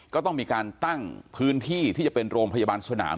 ก็ต้องมีการตั้งพื้นที่ที่จะเป็นโรงพยาบาลสนาม